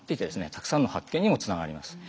たくさんの発見にもつながります。